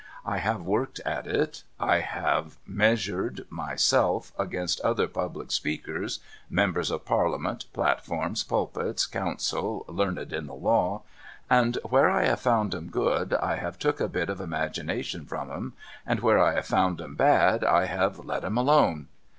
I have worked at it. I have measured myself against other public speakers,— Members of Parliament, Platforms, Pulpits, Counsel learned in the law, — and where I have found 'em good, I have took a bit of imagination from 'em, and where I have found 'em bad, I have let 'em alone.